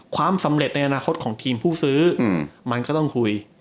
ความสำเร็จในอนาคตของทีมผู้ซื้อมันก็ต้องคุย